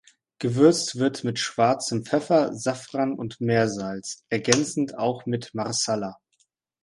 Gewürzt wird mit schwarzem Pfeffer, Safran und Meersalz, ergänzend auch mit Marsala.